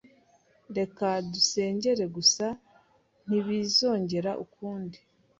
Reka dusengere gusa ntibizongere ukundi.